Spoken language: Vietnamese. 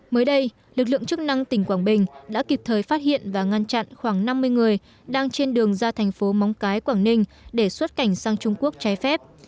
mới đây lực lượng chức năng tỉnh quảng bình đã kịp thời phát hiện và ngăn chặn khoảng năm mươi người đang trên đường ra thành phố móng cái quảng ninh để xuất cảnh sang trung quốc trái phép